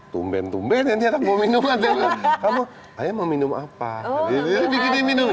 tumben tumben yang tidak bawa minuman kamu ayah mau minum apa ini minum minum